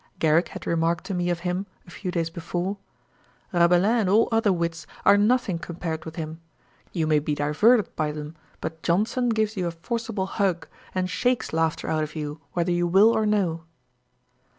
Garrick had remarked to me of him, a few days before, 'Rabelais and all other wits are nothing compared with him. You may be diverted by them; but Johnson gives you a forcible hug, and shakes laughter out of you, whether you will or no.'